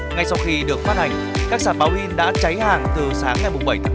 ngay sau khi được phát hành các sản báo in đã cháy hàng từ sáng ngày bảy tháng bốn